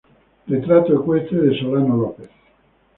Retrato ecuestre de Solano Lopez